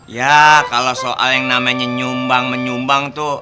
ya kalau soal yang namanya nyumbang menyumbang tuh